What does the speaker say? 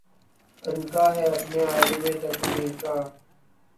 عنقا ہے اپنے عالَمِ تقریر کا